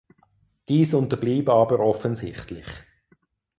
Dies unterblieb aber offensichtlich.